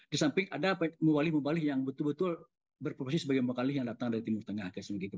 di samping ada mubali mubalik yang betul betul berprofesi sebagai mukali yang datang dari timur tengah